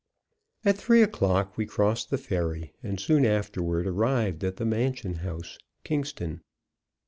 At three o'clock we crossed the ferry, and soon afterward arrived at the Mansion House, Kingston.